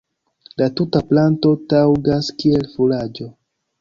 La tuta planto taŭgas kiel furaĝo.